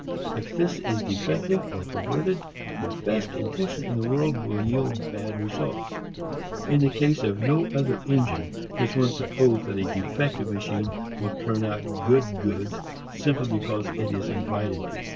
If this is defective or perverted, the best intention in the world will yield bad results. In the case of no other engine does one suppose that a defective machine will turn out good goods simply because it is invited to.